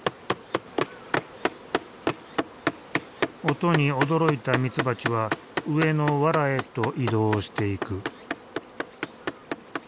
音に驚いたミツバチは上のわらへと移動していく。